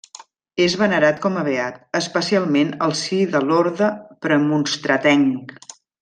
És venerat com a beat, especialment al si de l'Orde Premonstratenc.